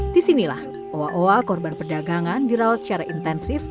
di sinilah owa owa korban perdagangan dirawat secara intensif